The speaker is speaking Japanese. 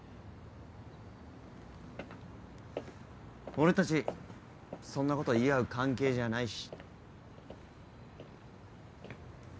俺たちそんなこと言い合う関係じゃないし。